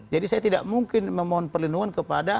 jadi saya tidak mungkin memohon perlindungan kepada lpsk